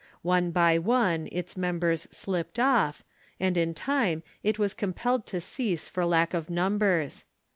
One by one its members slipped off, and in time it was compelled to cease for lack of numbers.